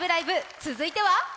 続いては？